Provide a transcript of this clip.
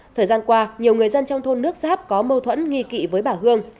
thời gian qua nhiều người dân trong thôn nước giáp có mâu thuẫn nghi kỵ với bà hương